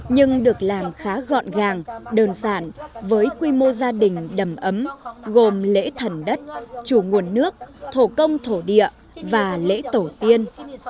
nhưng được làm khá gọn gàng đơn giản với quy mô gia đình đầm ấm gồm lễ thần đất chủ nguồn nước thổ công thổ địa và lễ tổ tiên